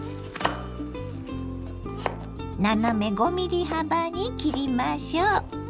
斜め５ｍｍ幅に切りましょう。